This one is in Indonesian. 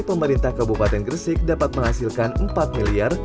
pemerintah kabupaten gresik dapat menghasilkan empat miliar